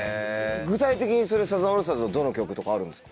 具体的にサザンオールスターズのどの曲とかあるんですか？